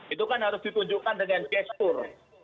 itu kan harus ditunjukkan dengan gestur